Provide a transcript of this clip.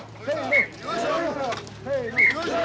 よいしょ！